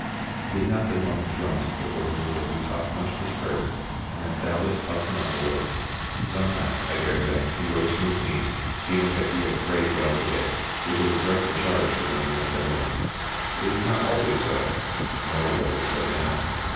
He had not been long in Thrums before he knew that we talked much of his prayers, and that doubtless puffed him up a little. Sometimes, I daresay, he rose from his knees feeling that he had prayed well to day, which is a dreadful charge to bring against anyone. But it was not always so, nor was it so now.